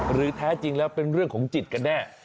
แท้จริงแล้วเป็นเรื่องของจิตกันแน่